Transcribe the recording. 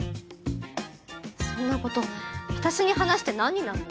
そんなこと私に話して何になるの？